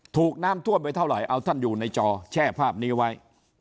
ถูกน้ำท่วมไปเท่าไหร่เอาท่านอยู่ในจอแช่ภาพนี้ไว้